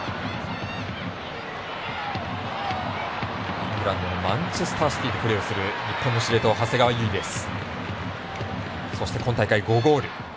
イングランドのマンチェスターシティでプレーをする長谷川唯です。